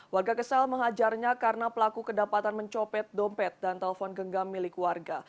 warga kesal menghajarnya karena pelaku kedapatan mencopet dompet dan telpon genggam milik warga